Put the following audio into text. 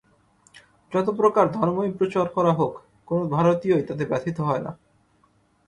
যতপ্রকার ধর্মই প্রচার করা হোক, কোন ভারতীয়ই তাতে ব্যথিত হয় না।